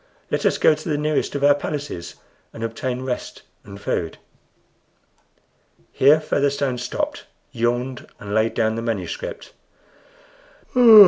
Let us go to the nearest of our palaces and obtain rest and food." Here Featherstone stopped, yawned, and laid down the manuscript.